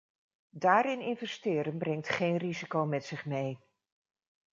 Daarin investeren brengt geen risico met zich mee.